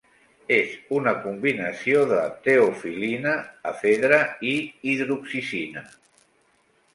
És una combinació de teofil·lina, efedra i hidroxizina.